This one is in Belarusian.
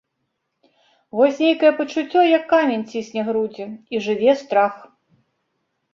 Вось нейкае пачуццё, як камень, цісне грудзі, і жыве страх.